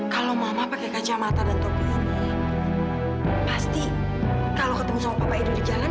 kalau mama pakai kacamata dan topirnya pasti kalau ketemu sama papa hidup di jalan